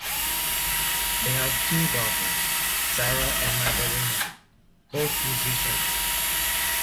They have two daughters, Sarah and Maddalena, both musicians.